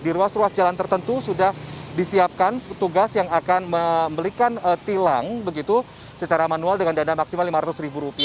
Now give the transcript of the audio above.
di ruas ruas jalan tertentu sudah disiapkan petugas yang akan membelikan tilang begitu secara manual dengan dana maksimal rp lima ratus